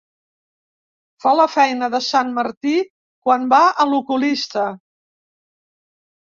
Fa la feina de sant Martí quan va a l'oculista.